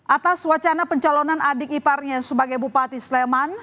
atas wacana pencalonan adik iparnya sebagai bupati sleman